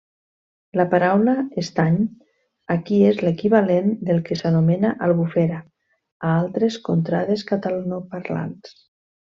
La paraula estany aquí és l'equivalent del que s'anomena albufera a altres contrades catalanoparlants.